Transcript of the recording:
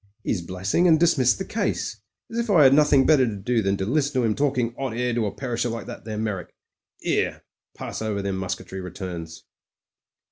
His blessing and dismissed the case. As if I had nothing better to do than listen to 'im PRIVATE MEYRICK— COMPANY IDIOT 59 talking 'ot air to a perisher like that there Meyrick. 'Ere, pass over them musketry returns."